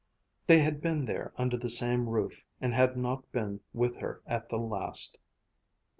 They had been there under the same roof, and had not been with her at the last.